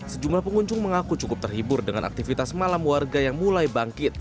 sejumlah pengunjung mengaku cukup terhibur dengan aktivitas malam warga yang mulai bangkit